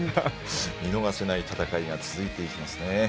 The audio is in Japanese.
見逃せない戦いが続いていきますね。